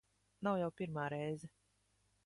Nav jau pirmā reize.